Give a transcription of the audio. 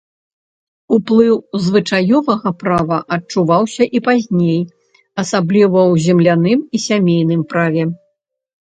Уплыў звычаёвага права адчуваўся і пазней, асабліва ў зямельным і сямейным праве.